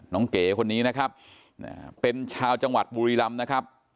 เก๋คนนี้นะครับเป็นชาวจังหวัดบุรีรำนะครับ